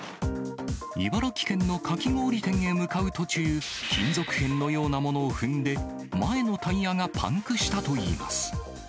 茨城県のかき氷店へ向かう途中、金属片のようなものを踏んで、前のタイヤがパンクしたといいます。